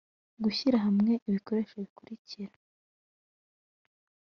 gushyira hamwe ibikoresho bikurikira